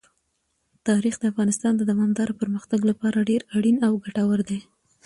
تاریخ د افغانستان د دوامداره پرمختګ لپاره ډېر اړین او ګټور دی.